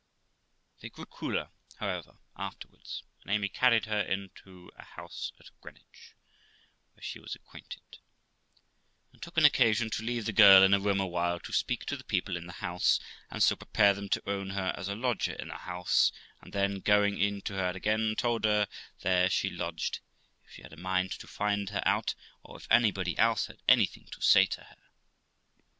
They grew cooler, however, afterwards, and Amy carried her into a house at Greenwich, where she was acquainted, and took an occasion to leave the girl in a room awhile, to speak to the people in the house, and THE LITE OF ROXANA 381 so prepare them to own her as a lodger in the house ; and then, going in to her again, told her there she lodged, if she had a mind to find her out, or if anybody else had anything to say to her.